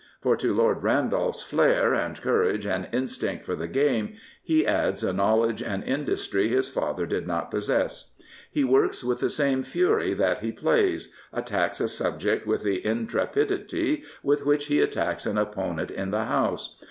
For to Lord Randolph's flair and courage and instinct for the game he adds a knowledge and industry his father did not possess. He works with the same fury that he plays, attacks a subject with the intrepidity with which he attacks an opponent in the House.